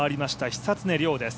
久常涼です。